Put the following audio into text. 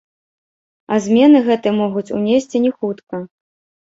А змены гэтыя могуць унесці не хутка.